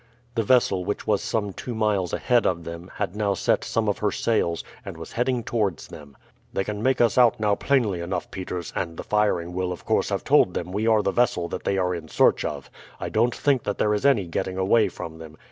The vessel, which was some two miles ahead of them, had now set some of her sails, and was heading towards them. "They can make us out now plainly enough, Peters, and the firing will of course have told them we are the vessel that they are in search of. I don't think that there is any getting away from them."